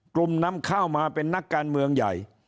นำเข้ามาเป็นนักการเมืองใหญ่